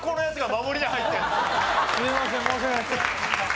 すいません申し訳ないです。